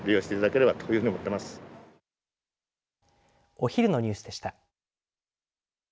お昼のニュースでした。